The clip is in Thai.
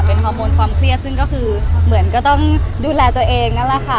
เป็นฮอร์โมนความเครียดซึ่งก็คือเหมือนก็ต้องดูแลตัวเองนั่นแหละค่ะ